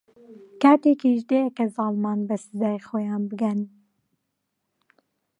کاتێکیش دێت کە زاڵمان بە سزای خۆیان بگەن.